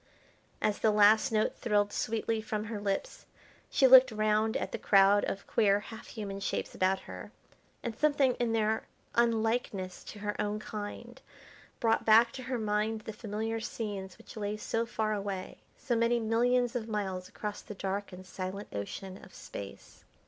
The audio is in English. As the last note thrilled sweetly from her lips she looked round at the crowd of queer half human shapes about her, and something in their unlikeness to her own kind brought back to her mind the familiar scenes which lay so far away, so many millions of miles across the dark and silent Ocean of Space.